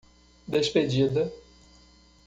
Despedida